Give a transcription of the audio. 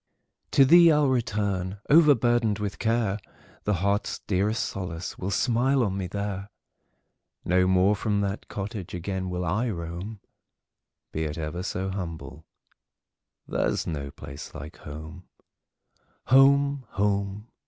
To thee I 'll return, overburdened with care; The heart's dearest solace will smile on me there; No more from that cottage again will I roam; Be it ever so humble, there 's no place like home. Home! home!